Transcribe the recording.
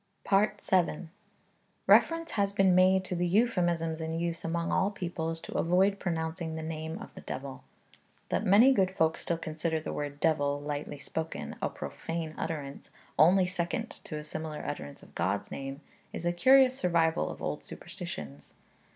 VII. Reference has been made to the euphemisms in use among all peoples to avoid pronouncing the name of the devil. That many good folk still consider the word devil, lightly spoken, a profane utterance only second to a similar utterance of God's name, is a curious survival of old superstitions.